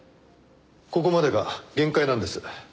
ここまでが限界なんです。